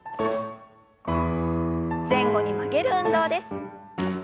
前後に曲げる運動です。